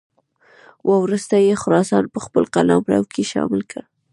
وروسته یې خراسان په خپل قلمرو کې شامل کړ.